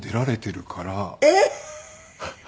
えっ？